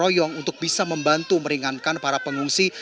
royong untuk bisa membantu meringankan para pengungsi